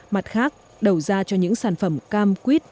mặt khác đầu ra cho những sản phẩm cam quýt